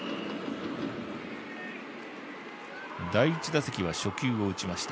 第１打席は初球を打ちました。